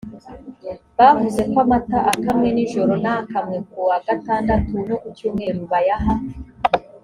bavuze ko amata akamwe ninjoro n akamwe ku wa gatandatu no ku cyumweru bayaha